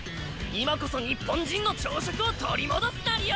今こそ日本人の朝食を取り戻すなりよ！